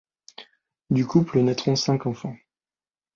Du couple naîtront cinq enfants.